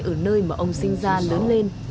ở nơi mà ông sinh ra lớn lên